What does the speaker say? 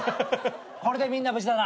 これでみんな無事だな。